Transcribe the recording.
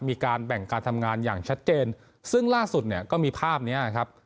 มีการแบ่งการทำงานอย่างชัดเจนซึ่งล่าสุดเนี่ยก็มีภาพเนี้ยครับ